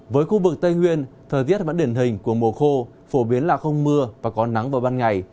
với khu vực tây nguyên thời tiết vẫn điển hình của mùa khô phổ biến là không mưa và có nắng vào ban ngày